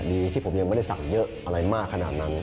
ที่ผมยังไม่ได้สั่งเยอะอะไรมากขนาดนั้น